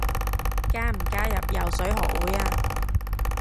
加唔加入游水學會啊？